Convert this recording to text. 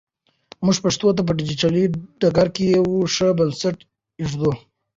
موږ پښتو ته په ډیجیټل ډګر کې یو ښه بنسټ ایږدو.